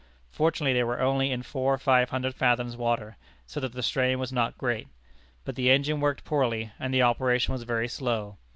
Fortunately they were only in four or five hundred fathoms water, so that the strain was not great. But the engine worked poorly, and the operation was very slow.